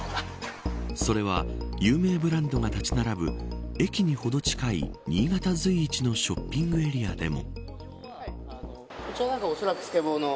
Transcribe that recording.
それは有名ブランドが立ち並ぶ駅にほど近い新潟随一のショッピングエリアでも。